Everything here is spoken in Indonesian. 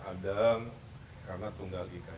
adem karena tunggal ikan